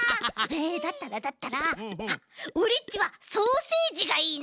だったらだったらあっオレっちはソーセージがいいな。